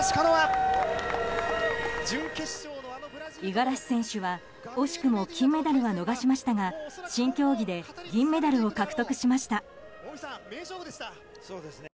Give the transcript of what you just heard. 五十嵐選手は惜しくも金メダルは逃しましたが新競技で銀メダルを獲得。